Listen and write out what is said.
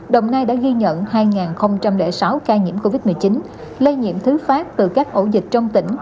đồng nai đã ghi nhận hai sáu ca nhiễm covid một mươi chín lây nhiễm thứ phát từ các ổ dịch trong tỉnh